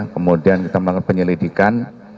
kemudian kita melakukan penyelidikan